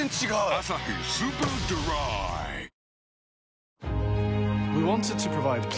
「アサヒスーパードライ」あ！